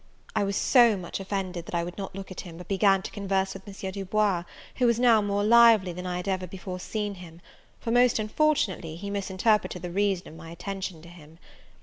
I was so much offended that I would not look at him, but began to converse with M. Du Bois, who was now more lively than I had ever before seen him; for, most unfortunately, he misinterpreted the reason of my attention to him.